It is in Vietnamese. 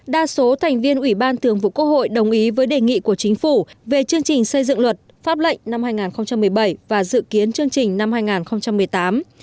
đa số thành viên ủy ban thường vụ quốc hội đồng ý với đề nghị của chính phủ về chương trình xây dựng luật pháp lệnh năm hai nghìn một mươi bảy và dự kiến chương trình năm hai nghìn một mươi tám